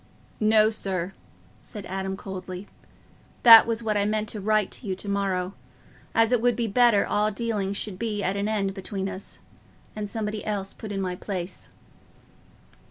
"No, sir," said Adam, coldly, "that was what I meant to write to you to morrow, as it would be better all dealings should be at an end between us, and somebody else put in my place."